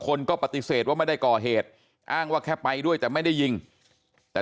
คนก็ปฏิเสธว่าไม่ได้ก่อเหตุอ้างว่าแค่ไปด้วยแต่ไม่ได้ยิงแต่